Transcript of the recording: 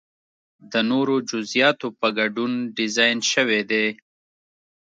د نورو جزئیاتو په ګډون ډیزاین شوی دی.